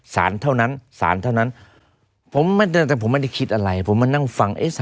สารเท่านั้นสารเท่านั้นผมไม่ได้คิดอะไรผมมานั่งฟัง